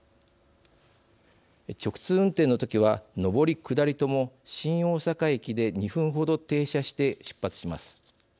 直通運転の時は上り下りとも新大阪駅で２分ほど停車して出発します。